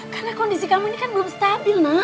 karena kondisi kamu ini kan belum stabil nak